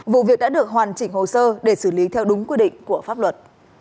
vụ việc đã được hoàn chỉnh hồ sơ để xử lý theo đúng quy định của pháp luật